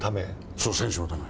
そう、選手のため。